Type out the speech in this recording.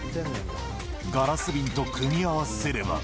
ガラス瓶と組み合わせれば。